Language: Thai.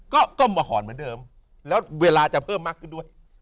ก็ก้มมาหอนเหมือนเดิมแล้วเวลาจะเพิ่มมากขึ้นด้วย